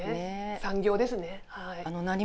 産業ですねはい。